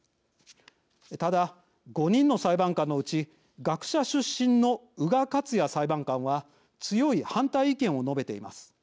ただ、５人の裁判官のうち学者出身の宇賀克也裁判官は強い反対意見を述べています。